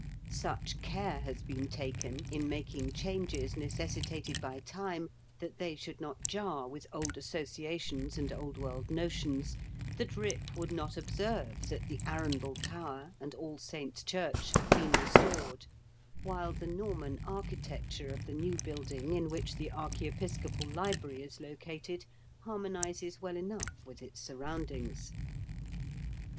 Such care has been taken, in making changes necessitated by Time, that they should not jar with old associations and old world notions, that Eip would not observe that the Arundel Tower and All Saints' Church have been re stored, while the Norman architecture of the new building in which the archiepiscopal library is located harmonises well enough with its surroundings.